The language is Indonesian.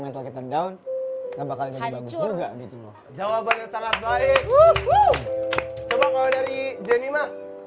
mental kita down bakal jadi bagus juga jawabannya sangat baik coba dari jenima